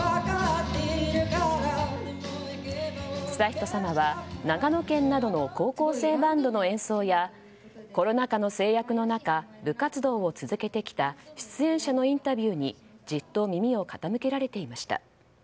悠仁さまは、長野県などの高校生バンドの演奏やコロナ禍の制約の中部活動を続けてきた出演者のインタビューにじっと耳を傾けられていました。